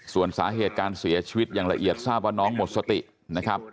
ส่วนสาเหตุการเสียชีวิตอย่างละเอียดทราบว่าน้องหมดสตินะครับ